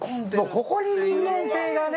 ここに人間性がね。